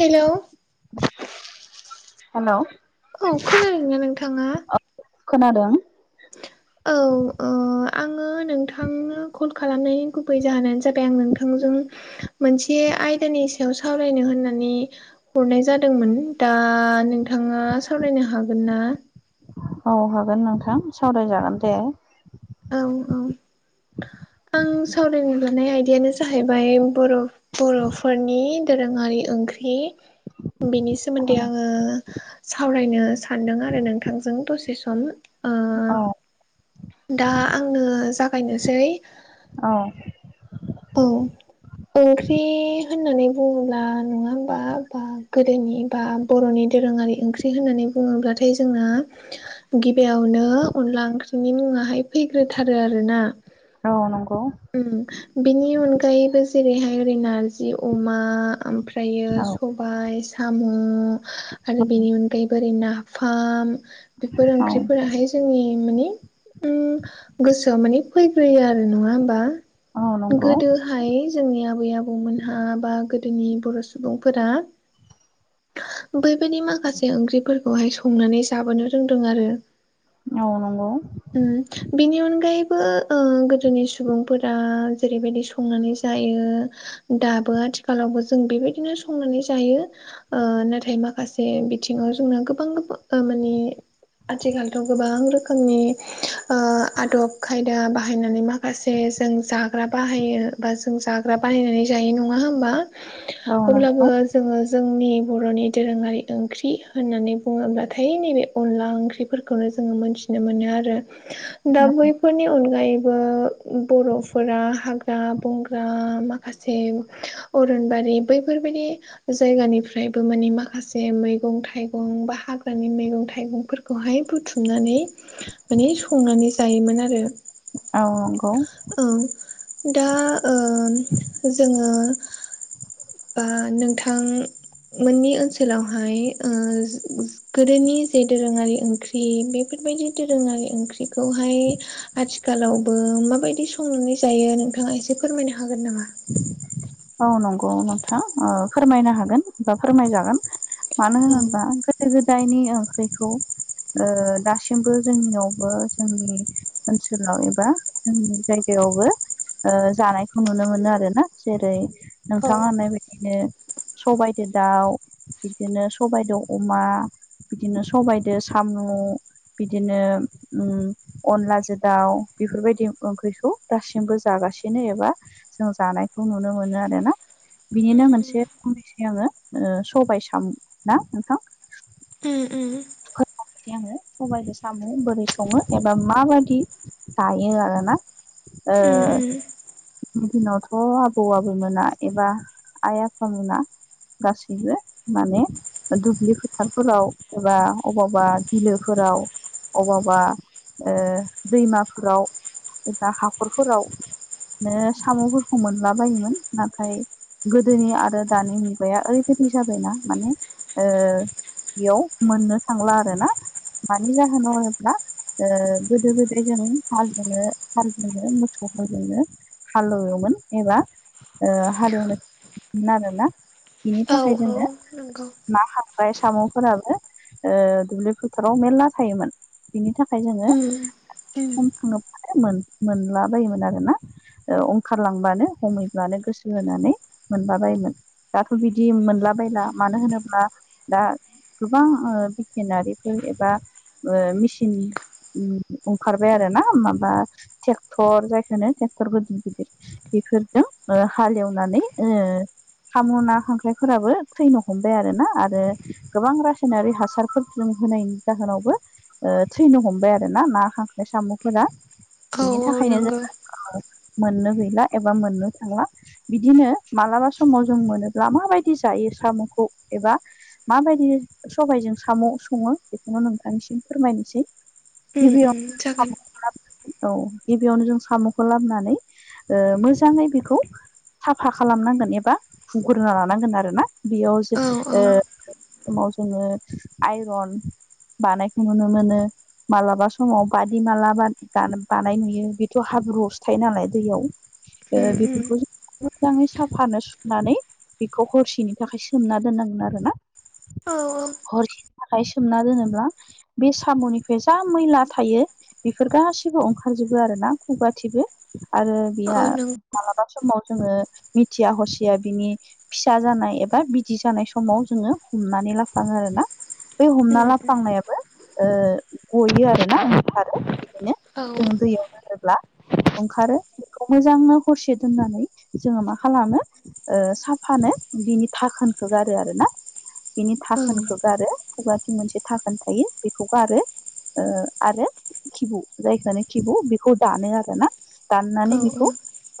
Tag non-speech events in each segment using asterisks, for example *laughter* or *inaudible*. Hello hello औ खोनादों ना नोंथाङा? खोनादों औ ओ आं आङो नोंथांनो कल खालामनायनि गुबै जाहोनानो जाबाय आं नोंथांजों मोनसे आयदानि सायाव सावरायनो होननानै हरनाय जादोंमोन दा नोंथाङा सावरायनो हागोन ना? औ हागोन नोंथां सावरायजागोन दे औ औ आं सावरायनो लानाय आयदायानो जाहैबाय बर' बर'फोरनि दोरोङारि ओंख्रि बिनि सोमोन्दै आङो सावरायनो सानदों आरो नोंथांजों दसे सम ओ औ दा आङो जागायनोसै औ औ ओंख्रि होननानै बुङोब्ला नङा होमबा बा गोदोनि बा बर'नि दोरोङारि ओंख्रि होननानै बुङोब्लाथाय जोंना गिबियावनो अनला ओंख्रिनि मुङाहाय फैग्रोथारो आरो ना औ नंगौ बिनि अनगायैबो जेरैहाय ओरै नारजि आमफ्रा फ्रायो औ सब बाय साम' आरो बेनि अनगायैबो ओरै नाफाम बेफोर औ ओंख्रिफोराहाय जोंनि माने उ गोसोआव माने फैग्रोयो आरो नङा होमबा औ नंगौ गोदोहाय जोंनि आबै आबौमोनहा बा गोदोनि बर' सुबुंफोरा बैबायदि माखासे ओंख्रिफोरखौहाय संनानै जाबोनो रोंदों आरो औ नंगौ *inaudible* ओ बिनि अनगायैबो ओ गोदोनि सुबुंफोरा जेरैबायदि संनानै जायो दाबो आथिखालावबो जों बेबायदिनो संनानै जायो ओ नाथाय माखासे बिथिङाव जोंना गोबां माने आथिखालथ' गोबां रोखोमनि आदब खायदा बाहायनानै माखासे जों जा ग्रा बाहायो जों जाग्रा बानायनानै जायो नङा होनबा औ नंगौ अब्लाबो जोङो जोंनि बर'नि दोरोङारि ओंख्रि होननानै बुङोब्लाथाय नैबे अनला ओंख्रिफोर खौनो जोङो मोनथिनो मोनो आरो दा बैफोरनि अनगायैबो बर' फोरा हाग्रा बंग्रा माखासे अरनबारि बैफोरबायदि जायगानिफ्रायबो मानि माखासे मैगं थाइगं बा हाग्रानि मैगं थाइगंफोर खौहाय बुथुमनानै माने संनानै जायोमोन आरो औ नंगौ औ दा जोङो बा नोंथां मोननि ओनसोलावहाय गोदोनि जे दोरोङारि ओंख्रि बेफोरबायदि दोरोङारि ओंख्रिखौहाय आथिखालावबो माबायदि संनानै जायो नोंथाङा एसे फोरमायनो हागोन नामा औ नंगौ नोंथां फोरमायनो हागोन बा फोरमायजागोन मानो औ होनोबा गोदो गोदायनि ओंख्रिखौ दासिमबो जोंनियावबो जोंनि ओनसोलाव एबा जोंनि जायगायावबो ओ जानायखौ नुनो मोनो आरोना जेरै औ नोंथाङा होननायबायदिनो सबायजों दाउ बिदिनो सबायदो' अमा बिदिनो सबायदो साम' बिदिनो ओम अनलाजों दाउ बेफोरबायदि ओंख्रिखौ दासिमबो जागासिनो एबा जों जानायखौ नुनो मोनो आरोना बिनिनो उम उम मोनसे बुंनैसो आङो सबाय साम ना नोंथां उम-उम *unintelligible* आङो सबायजों साम' बोरै सङो एबा माबादि जायो आरोना उम-उम गोदोनि दिनावथ' आबौ आबै मोना एबा आइ आफा मोना गासैबो माने दुब्लि फोथारफोराव एबा अबावबा बिलोफोराव आबावबा दैमाफोराव एबा हाखरफोरावनो साम'फोरखौ मोनला बायोमोन नाथाय गोदोनि आरो दानि मुगाया ओरैबायादि जाबायना माने ओ बेयाव मोननो थांला आरोना मानि जाहोनाव होनोब्ला ओ गोदो गोदाय जों हालजोंनो हालजोंनो मोसौ हालजोंनो हाल एवोमोन एबा ओ हाले एवनायमोन आरोना बेनि औ थाखाय औ जोङो नंगौ ना खांख्राय साम'फोराबो दुब्लि फोथाराव मेरला थायोमोन बिनि थाखाय जोङो उम उम खनखाङोब्लानो मो मोनला बायोमोन आरोना ओ ओंखारलांबानो हमैब्लानो गोसो होनानै मोनला बायोमोन दाथ' बिदि मोनलाबायला मानो होनोब्ला दा गोबां भकेनारिफोर एबा मेसिन ओंखारबाय आरोना माबा ट्रेक्टर जायखौ होनो ट्रेक्टर गिदिर गिदिर बेफोरजों हाल एवनानै ओ सामु ना खांख्राइफोराबो थैनो हमबाय आरोना आरो गोबां रासायनारि हासार फोरजों होनायनि जाहोनावबो थैनो हमबाय आरोना ना खांख्राय साम'फोरा औ बिनि औ थाखायनो नंगौ जोंङो ओ मोननो गैला एबा मोननो थांला बिदिनो मालाबा समाव जों मोनोब्ला माबायदि जायो साम'खौ एबा माबायदि सबायजों साम' सङो बेखौनो नोंथांनिसिम फोरमायनोसै उम उम गिबियावनो जागोन साम' औ गिबियावनो जों साम'खौ लाबोनानै ओ मोजाङै बेखौ साफा खालामनांगोन एबा हुग्रोना लानांगोन आरो ना बेयाव जों औ औ ओ समाव जोङो आइरन बानायखौ नुनो मोनो। मालाबा समाव बादि माला बानाय नुयो बेथ' हाब्रुआवसो थायो नालाय दैयाव। ओ उम उम बेफोरखौ जों मोजाङै साफानो सुनानै बेखौ हरसेनि थाखाय सोमना दोननांगोन आरोना। औ हरसेनि थाखाय सोमना दोनोब्ला बे साम'निफ्राय जा मैला थायो बेफोर गासैबो ओंखारजोबो आरोना खुगाथिबो आरो बिया औ नंगौ मालाबा समाव जोङो मिथिया हसिया बिनि फिसा जानाय एबा बिदि जानाय समाव जोङो हमनानै लाफ्लाङो आरोना। बे हमना उम उम लाफ्लांनायाबो ओ गयो आरोना। आरो बिदिनो औ जों दैयाव गारोब्ला ओंखारो बेखौ मोजांनो हरसे दोननानै जोङो मा खालामो? ओ साफानो बिनि थाखोनखौ गारो आरोना बिनि औ थाखोनखौ गारो। खुगाथि मोनसे थाखोन थायो बेखौबो गारो ओ आरो खिबु जायखौनो खिबु बेखौ दानो आरो ना दाननानै औ बेखौ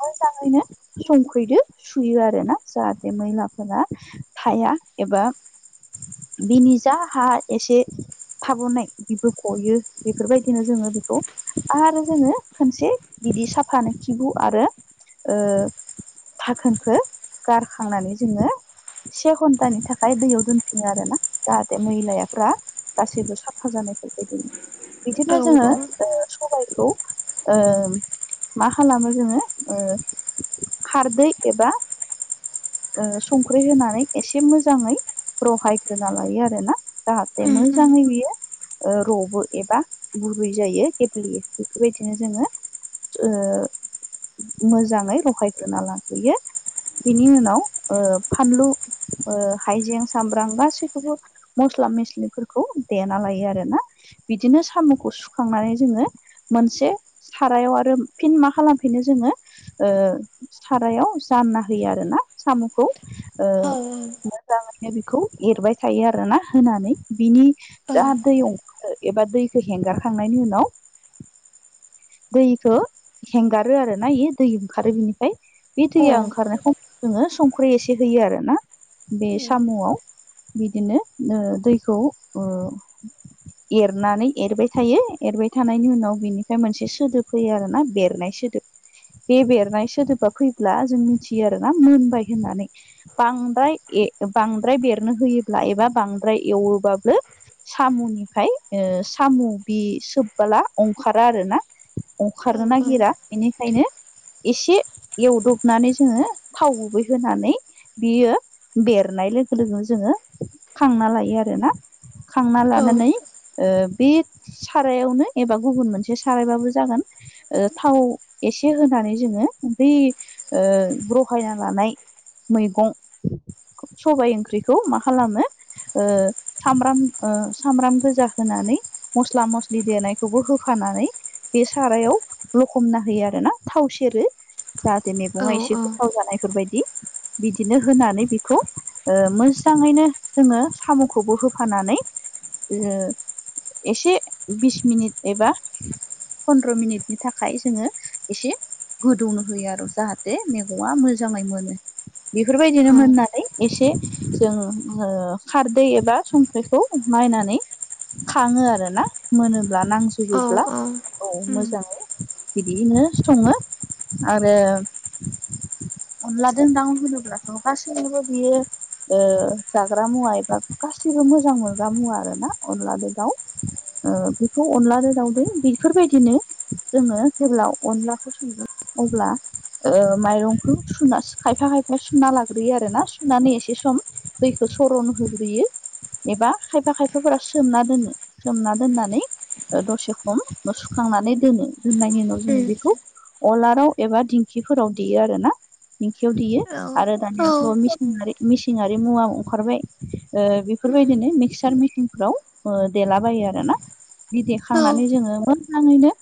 मोजाङैनो संफैदो सुयो आरो ना जाहाथे मैलाफोरा थाया एबा बिनि जाा हा एसे थाब'नाय बिबो गयो बेफोरबायदिनो जोंङो बेखौ आरो जोंङो खनसे बिदि साफानो खिबु आरो ओ थाखोनखौ गारखांनानै जोंङो से घन्टानि थाखाय दैयाव दोनफिनो आरो ना। जाहाथे मैलायाफ गासैबो साफा जानायफोरबायदि बिदिनो औ जोंङो औ सबायखौ ओ मा खालामो जोंङो ओ खारदै एबा संख्रि होनानै एसे मोजांङै रहायग्रो श लायो आरोना जाहाथे उम उम मोजांङै बियो ओ र'बो एबा बुरै जायो गेब्लेयो बेफोरबायदिनो जोंङो मोजाङै रहायग्रोना लाहैयो। बेनि उनाव ओ फानलु हायजें सामब्राम गासैबो बो मस्ला मस्लिफोरखौ देना लायो आरो ना। बिदिनो साम'खौ सुखांनानै जोंङो मोनसे सारायाव आरो फिन मा खालामफिनो जोंङो ओ सारायाव जानना होयो आरोोना साम'खौ ओ औ औ मोजाङैनो बेखौ एरबाय थायो आरोोना होनानै बिनि जा दै ओंखारो एबा दैखौ हेंगाराखांनायनि उनाव दैखौ हेंगारो आरोना बे दै ओंखारो बिनिफ्राय। बे दैया औ ओंखारनायखौ जोङो संख्रि एसे होयो आर ना बे साम'आव बिदिनो ओ दैखौ ओ *inaudible* एरनानै एरबाय थायो एरबाय थानायनि उनाव बिनिफ्राय मोनसे सोदोब फैयो आरोना बेरनाय सोदोब। बे बेरनाय सोदोबा फैब्ला जों मिथियो आरो ना मोनबाय होननानै‌। बांद्राय बांद्राय बेरनो होयोब्ला एबा बांद्राय एवोबाबो साम'निफ्राय ओ साम' बि सोबबोला ओंखारा आरोना। ओंखारनो औ उम नागिरा बेनिखायनो एसे एवदबनानै जोंङो थाव गुबै होनानै बियो बेरनाय लोगो लोगो जोङो खांना लायो आरो ना खांना उम लानानै ओ बे सारायावनो एबा गुबुन मोनसे सारायबाबो जागोन ओ थाव एसे होनानै जोङो बै ओ रहायना लानाय मैगं सबाय ओंख्रिखौ मा खालामो ओ सामब्राम सामब्राम गोजा होनानै मस्ला मस्लि देनायखौबो होफानानै बे सारायाव लखबना होयो आरो ना थाव सेरो जाहाथे औ मेगङा एसे उम गोथाव जानायफोरबायदि बिदिनो होनानै बेखौ ओ मोस जाङैनो जोङो साम'खौबो होफानानै एसे बिस मिनिट एबा फन्द्र' मिनिटनि थाखाय जोङो एसे गोदौनो होयो आरो जाहाथे मैगंआ मोजाङै मोनो औ बेफोरबायदिनो उम उम मोननानै एसे जों ओ खारदै एबा संख्रिखौ नायनानै खाङो आरो ना मोनोब्ला नांजोबोब्ला औ मोजाङै बिदियैनो सङो आरो अनला जों दाउ होनोब्लाथ' गासैजोंबो बियो ओ जाग्रा मुवा एबा गासिबो मोजां मोनग्रा मुवा आरोना अनलाजों दाउ ओ बेखौ अनलाजों दावजों बेफोरबायदिनो जोङो जेब्ला अनलाखौ सङो अब्ला ओ माइरंखौ सुना खायफा खायफा सुना लाग्रोयो आरोना सुनानै एस सम दैखौ सर'नो होग्रोयो एबा खायफा खायफाफोरा सोमना दोनो सोमना दोननानै दसे खम सुखांनानै दोनो दोननायनि उनाव जों बेखौ अलाराव एबा दिंखिफोराव देयो आरो ना दिंखियाव देयो आरो दानियाथ' मिसिनारि मिसिनारि मुवा ओंखारबाय ओ बेफोरबायदिनो मिक्सार मेचिनफ्राव ओ देलाबायो आरो ना बिदि देखांनानै जोङो मोजाङैनो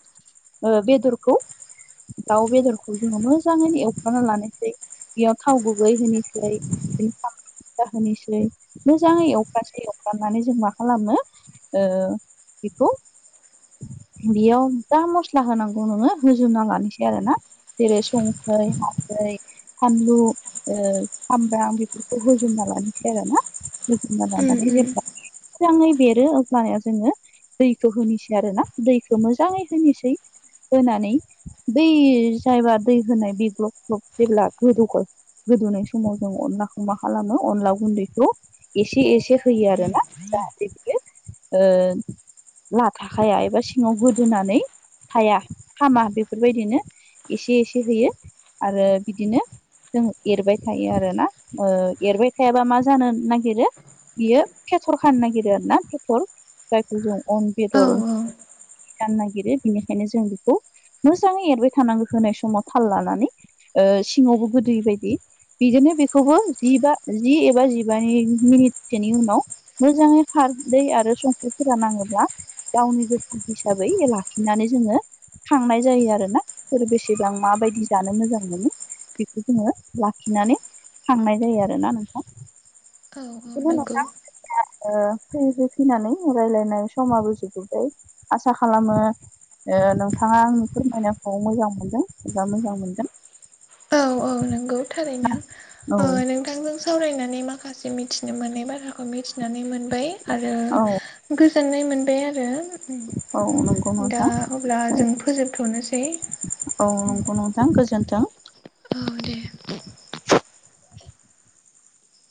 ओ बेदरखौ दाउ बेदरखौ जोङो मोजाङैनो एवफ्रामना लानोसै बेयाव थाव गुबै होनिसै बिफां जाहोनिसै मोजाङै एवखासे एवफ्रानानै जों मा खालामो ओ बिखौ बेयाव जा मस्ला होनांगौ नोङो होजोबना लानोसै आरो ना जेरै संख्रै, हालदै, फानलु ओ सामब्राम बे हुजुबना लानिसै आरोना होजोबना लानानै जेब्ला जाङै बेरो अब्लाना जोङो दैखौ होनोसै आरो ना दैखौ मोजाङै होनिसै होनानै बै जायबा दै होनाय बे ग्लब ग्लब जेब्ला गोदौगोन गोदौनाय समाव जों अनला मा खालामो अनला गुन्दैखौ एसे एसे होयो आरो ना जाहाथे बियो ओ लाथाखाया एबा सिङाव गोदोनानै थाया खामा बेफोरबायदिनो एसे एसे होयो आरो बिदिनो जों एरबाय थायो आरोना ओ एरबाय थायाबा मा जानो नागिरो बियो फेथर खानो नागिरो आरो ना फेथर जायखौ जों अन औ बेदर जानो नागिरो बिनिखायनो जों बेखौ मोजाङै एरबाय थानांगो होनाय समाव थाल लानानै ओ सिङावबो गोदोयि बायदि बिजोंनो बे खौबो जिबा जि एबा जिबानि मिनिटसोनि उनाव मोजांङै खारदै आरो संख्रिफोरा नांङोब्ला गावनि जखा हिसाबै लाखिनानै जोंङो खांनाय जायो आरोना सोर बेसेबां माबायदि जानो मोजां मोनो बेखौ जोंङो लाखिनानै खांनाय जायो आरोना नोंथां औ औ बिदिनो नंगौ ओ फैयै फैयै फैनानै रायलायनाय समाबो जोबबोय आसा खालामो ओ नोंथांङा आंनि फोरमायनायखौ मोजां मोनदों एबा मोजां मोनगोन औ औ नोंगौ थारैनो औ ओ नों नोंथांजों सावरायनानै माखासे मिथिनो मोनै बाथ्राखौ मिथिनानै मोनबाय आरो औ गोजोननाय मोनबाय आरो औ नंगौ दा नोंथां अब्ला जों फोजोबथ'नोसै औ नंगौ नोंथां गोजोन्थों। औ दे